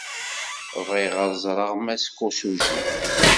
Bɣiɣ ad ẓreɣ Mass Kosugi.